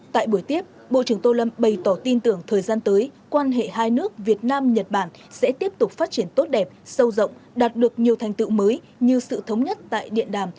tại buổi tiếp bộ trưởng tô lâm bày tỏ tin tưởng thời gian tới quan hệ hai nước việt nam nhật bản sẽ tiếp tục phát triển tốt đẹp sâu rộng đạt được nhiều thành tựu mới như sự thống nhất tại điện đàm